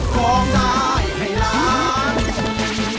คงตายให้ร้าน